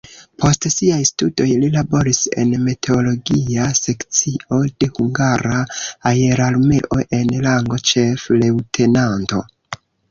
Post siaj studoj li laboris en meteologia sekcio de hungara aerarmeo en rango ĉef-leŭtenanto.